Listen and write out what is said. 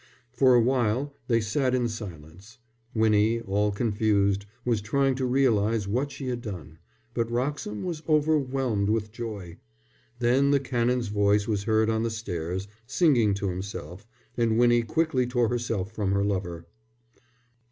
For a while they sat in silence. Winnie, all confused, was trying to realize what she had done; but Wroxham was overwhelmed with joy. Then the Canon's voice was heard on the stairs, singing to himself; and Winnie quickly tore herself from her lover.